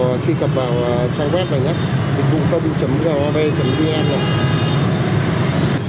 đấy em có thể truy cập vào trang web này nhé www dictvucong gov vn này